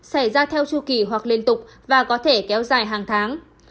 xảy ra theo chu kỳ hoặc liên tục và có thể kéo dài hàng tháng